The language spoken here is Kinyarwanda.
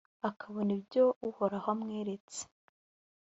akabona ibyo uhoraho amweretse.